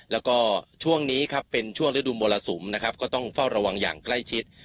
แล้วก็ช่วงนี้ครับเป็นช่วงฤดูมรสุมนะครับก็ต้องเฝ้าระวังอย่างใกล้ชิด